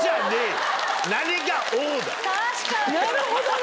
なるほどね！